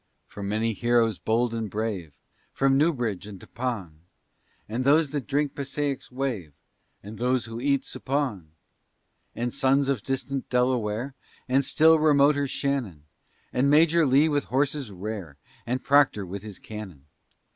For many heroes bold and brave, From Newbridge and Tappan, And those that drink Passaic's wave, And those who eat supawn; And sons of distant Delaware, And still remoter Shannon, And Major Lee with horses rare, And Proctor with his cannon.